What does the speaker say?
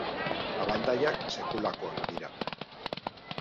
Abantailak, sekulakoak dira.